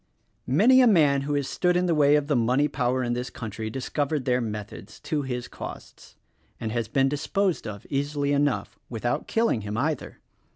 Many a man who has stood in the way of the money power in this country discovered their methods— to his cost — and has been disposed of easilv enough, — without killing him either.